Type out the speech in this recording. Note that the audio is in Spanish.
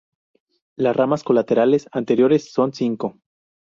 Las ramas colaterales anteriores son cinco.